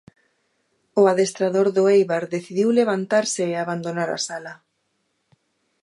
O adestrador do Eibar decidiu levantarse e abandonar a sala.